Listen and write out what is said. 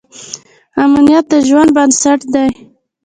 امنیت د ژوند بنسټ دی.